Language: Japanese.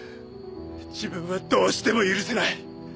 自分はどうしても許せない。